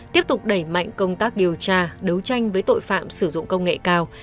tiếp tục đẩy mạnh công tác điều tra đấu tranh với tội phạm sử dụng công nghệ cao